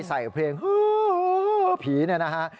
ใส่เพลงภีร์เนี่ยนะฮะ